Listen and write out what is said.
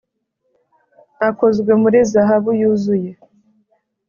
Akozwe muri zahabu yuzuye